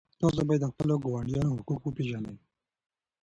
تاسو باید د خپلو ګاونډیانو حقوق وپېژنئ.